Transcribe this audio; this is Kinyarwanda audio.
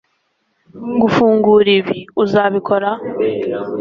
fungura ibi, uzabikora